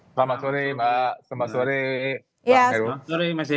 selamat sore mbak selamat sore mas heru